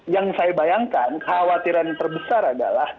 yang saya bayangkan khawatiran terbesar adalah